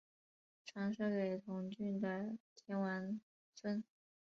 传授给同郡的田王孙。